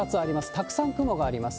たくさん雲があります。